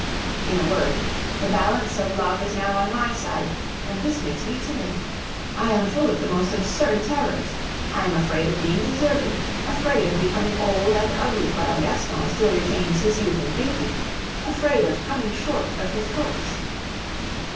In a word, the balance of love is now on my side, and this makes me timid. I am full of the most absurd terrors. I am afraid of being deserted, afraid of becoming old and ugly while Gaston still retains his youth and beauty, afraid of coming short of his hopes!